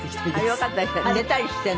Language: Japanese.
よかったですね。